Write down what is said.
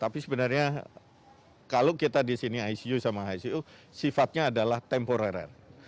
tapi sebenarnya kalau kita di sini icu sama icu sifatnya adalah temporer